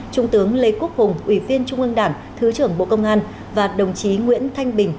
trung tướng lê quốc hùng ủy viên trung ương đảng thứ trưởng bộ công an và đồng chí nguyễn thanh bình